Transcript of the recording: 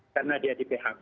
karena dia di phk